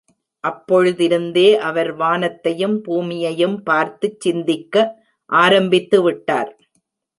அப்பொழுதிருந்தே அவர் வானத்தையும் பூமியையும் பார்த்துச் சிந்திக்க ஆரம்பித்து விட்டார்.